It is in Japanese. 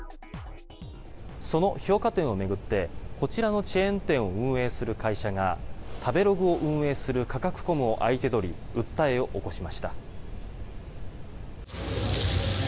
その評価点を巡ってこちらのチェーン店を運営する会社が食べログを運営するカカクコムを相手取り訴えを起こしました。